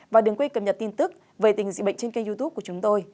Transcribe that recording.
và đừng quên cập nhật tin tức về tình hình dịch bệnh trên kênh youtube của chúng tôi